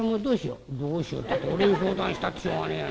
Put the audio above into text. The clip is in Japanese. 「どうしようったって俺に相談したってしょうがねえやな。